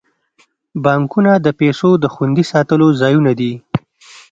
بانکونه د پیسو د خوندي ساتلو ځایونه دي.